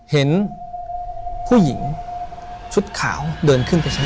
เห็นผู้หญิงชุดขาวเดินขึ้นไปชั้น